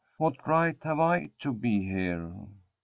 What right have I to be here?"